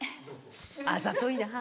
あざといなぁ。